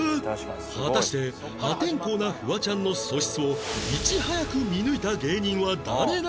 果たして破天荒なフワちゃんの素質をいち早く見抜いた芸人は誰なのか？